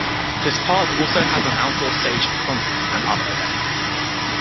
This Park also has a outdoor stage for concerts and other events.